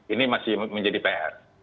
ini masih menjadi pr